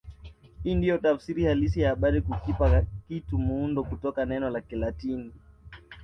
Hii ndiyo tafsiri halisi ya habari kukipa kitu muundo kutoka neno la Kilatini